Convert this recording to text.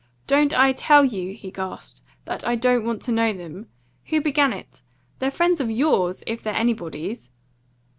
"Don't I tell you," he gasped, "that I don't want to know them? Who began it? They're friends of yours if they're anybody's."